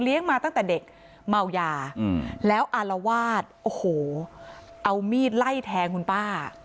มาตั้งแต่เด็กเมายาแล้วอารวาสโอ้โหเอามีดไล่แทงคุณป้า